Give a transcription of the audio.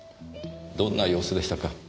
どんな様子でしたか？